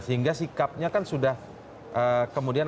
sehingga sikapnya kan sudah kemudian